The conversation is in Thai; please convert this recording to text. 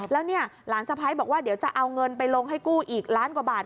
แล้วเนี่ยหลานสะพ้ายบอกว่าเดี๋ยวจะเอาเงินไปลงให้กู้อีกล้านกว่าบาท